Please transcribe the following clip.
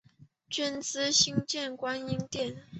捐资新建观音殿。